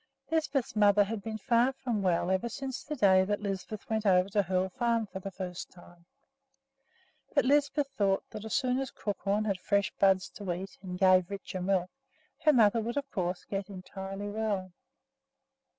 Lisbeth's mother had been far from well ever since the day that Lisbeth went over to Hoel Farm for the first time. But Lisbeth thought that as soon as Crookhorn had fresh buds to eat and gave richer milk, her mother would of course get entirely well.